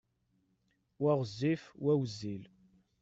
Wa ɣezzif, wa wezzil.